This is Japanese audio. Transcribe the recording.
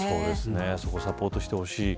そこサポートしてほしい。